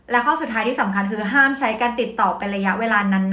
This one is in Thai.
แล้วก็สุดท้ายที่สำคัญคือห้ามใช้การติดต่อเป็นระยะเวลานั้นนะ